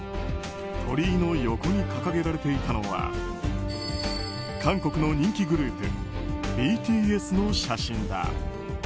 鳥居の横に掲げられていたのは韓国の人気グループＢＴＳの写真だ。